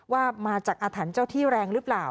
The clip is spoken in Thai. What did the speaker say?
ว่ามาจากอาถรรพ์เจ้าที่แรงหรือเปล่า